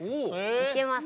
いけます。